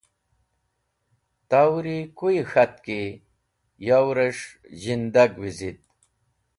Tawri kuyẽ k̃hat ki yorẽs̃h zhindag wizit?